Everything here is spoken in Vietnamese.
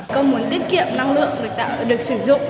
công muốn tiết kiệm năng lượng để tạo được sử dụng